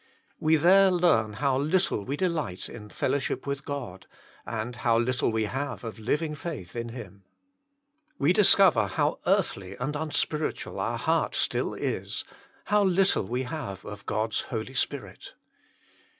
We there learn how little we delight in fellowship with God, and how little we have of living faith in Him. We discover how earthly and unspiritual our heart still is, how little we have of God s Holy Spirit.